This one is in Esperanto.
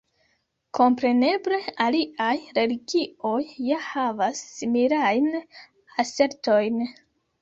Kompreneble aliaj religioj ja havas similajn asertojn.